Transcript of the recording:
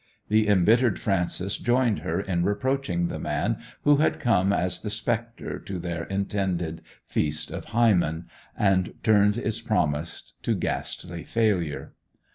The embittered Frances joined her in reproaching the man who had come as the spectre to their intended feast of Hymen, and turned its promise to ghastly failure.